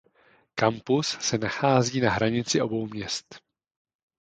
Kampus se nachází na hranici obou měst.